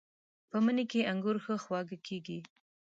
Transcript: په مني کې انګور ښه خواږه کېږي.